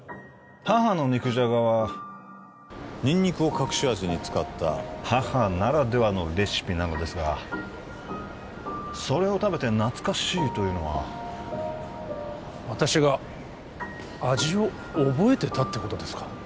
母の肉じゃがはにんにくを隠し味に使った母ならではのレシピなのですがそれを食べて「懐かしい」というのは私が味を覚えてたってことですか？